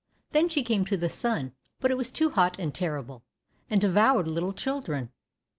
Then she came to the sun, but it was too hot and terrible, and devoured little children.